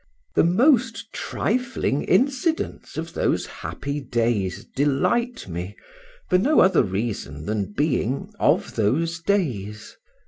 The most trifling incident of those happy days delight me, for no other reason than being of those days.